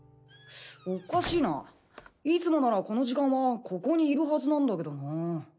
おかしいないつもならこの時間はここにいるはずなんだけどな。